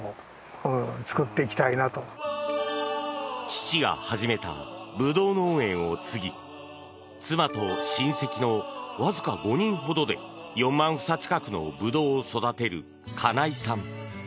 父が始めたブドウ農園を継ぎ妻と親戚のわずか５人ほどで４万房近くのブドウを育てる金井さん。